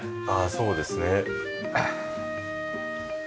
そうですね。